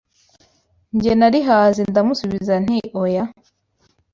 Njye narihaze ndamusubiza nti oya